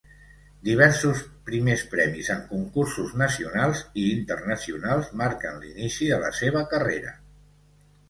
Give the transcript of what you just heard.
Diversos primers premis en concursos nacionals i internacionals marquen l'inici de la seva carrera.